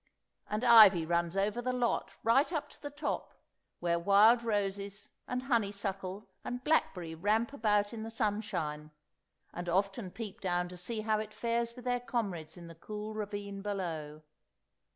And ivy runs over the lot right up to the top, where wild roses and honeysuckle and blackberry ramp about in the sunshine, and often peep down to see how it fares with their comrades in the cool ravine below.